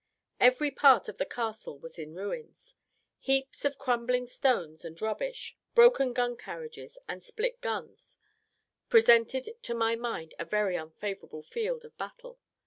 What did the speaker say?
Every part of the castle was in ruins. Heaps of crumbling stones and rubbish, broken gun carriages, and split guns, presented to my mind a very unfavourable field of battle.